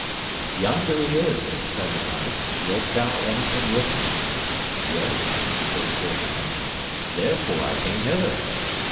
Yonder he is, said the knights, wilt thou anything with him? Yea, said the poor man, therefore I came hither.